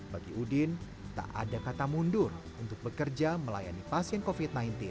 bagi udin tak ada kata mundur untuk bekerja melayani pasien covid sembilan belas